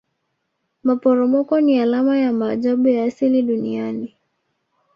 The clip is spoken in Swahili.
maporomoko ni alama ya maajabu ya asili duniani